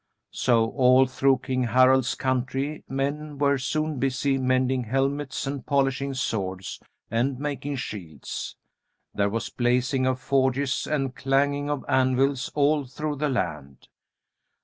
So all through King Harald's country men were soon busy mending helmets and polishing swords and making shields. There was blazing of forges and clanging of anvils all through the land.